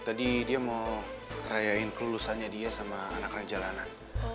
tadi dia mau rayain kelulusannya dia sama anak anak jalanan